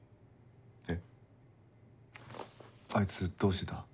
えっあいつどうしてた？